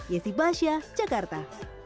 yesi basya jakarta